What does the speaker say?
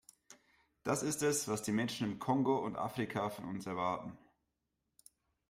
Das ist es, was die Menschen im Kongo und Afrika von uns erwarten.